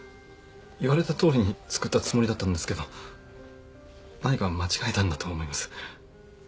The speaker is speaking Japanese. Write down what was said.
言われたとおりに作ったつもりだったんですけど何か間違えたんだと思います。